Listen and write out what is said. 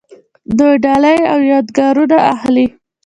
دوی ډالۍ او یادګارونه اخلي.